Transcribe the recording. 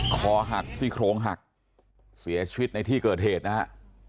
คอหักซี่โครงหักเสียชีวิตในที่เกิดเหตุนะฮะ